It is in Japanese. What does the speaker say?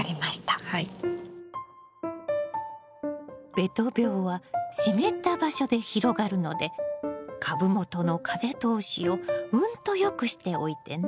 べと病は湿った場所で広がるので株元の風通しをうんと良くしておいてね。